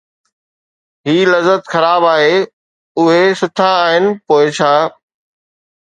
هي لذت خراب آهي، اهي سٺا آهن، پوءِ ڇا!